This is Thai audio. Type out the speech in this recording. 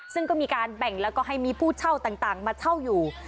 ซึ่งก็มีการแบ่งแล้วก็ให้มีผู้เช่าต่างมาเช่าอยู่